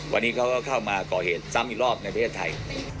วันนี้เขาก็เข้ามาก่อเหตุซ้ำอีกรอบในประเทศไทย